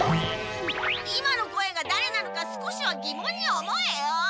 今の声がだれなのか少しは疑問に思えよ！